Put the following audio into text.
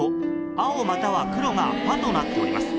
青または黒が「ファ」となっております。